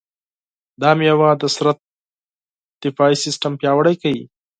دا مېوه د بدن دفاعي سیستم پیاوړی کوي.